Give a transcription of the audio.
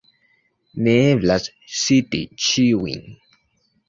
Neeblas citi ĉiujn.